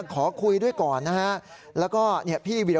พระขู่คนที่เข้าไปคุยกับพระรูปนี้